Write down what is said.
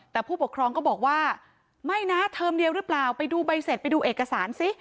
แต่ผู้ปกครองก็บอกว่าไม่นะเทอมเดียวหรือเปล่าไปดูใบเสร็จไปดูเอกสารสิ